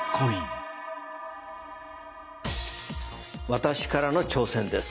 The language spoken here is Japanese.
私からの挑戦です。